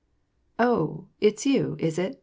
<< Oh, it's you, is it ?